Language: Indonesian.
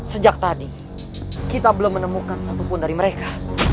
sejak tadi kita belum menemukan satupun dari mereka